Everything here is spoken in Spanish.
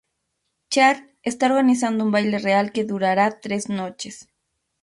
Char está organizando un baile real que durará tres noches.